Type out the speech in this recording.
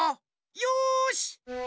よし！